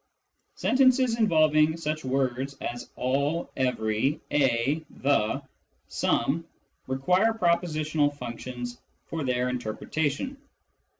Sentences involving such words as " all," " every," " a," " the," " some " require propositional functions for their inter pretation.